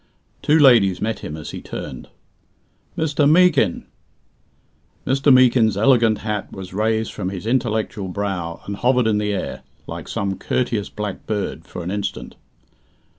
Two ladies met him as he turned. "Mr. Meekin!" Mr. Meekin's elegant hat was raised from his intellectual brow and hovered in the air, like some courteous black bird, for an instant.